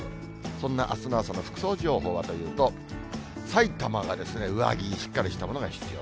そんなあすの朝の服装情報はというと、さいたまが上着、しっかりしたものが必要。